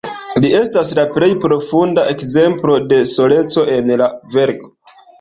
Li estas la plej profunda ekzemplo de soleco en la verko.